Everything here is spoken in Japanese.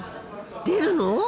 出るの？